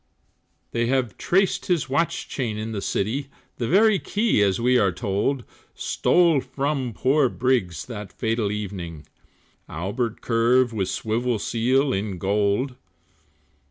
They have traced his watch chain in the city, The very key, as we are told, Stole from poor Briggs that fatal evening, Albert curb, with swivel seal in gold.